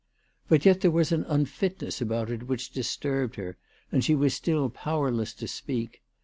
But yet there was an unfitness about it which disturbed her, and she was still powerless to speak.